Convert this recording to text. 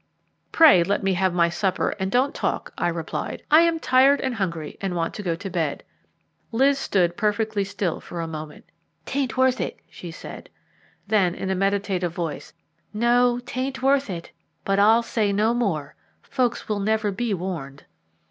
"Pray let me have my supper, and don't talk," I replied. "I am tired and hungry, and want to go to bed." Liz stood perfectly still for a moment. "'Tain't worth it," she said; then, in a meditative voice, "no, 'tain't worth it. But I'll say no more. Folks will never be warned!"